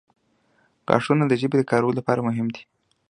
• غاښونه د ژبې د کارولو لپاره مهم دي.